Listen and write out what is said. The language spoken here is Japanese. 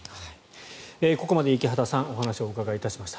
ここまで池畑さんお話をお伺いいたしました。